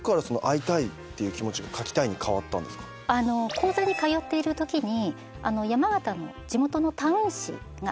講座に通っているときに。